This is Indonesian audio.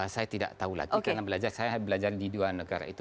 saya tidak tahu lagi karena belajar saya belajar di dua negara itu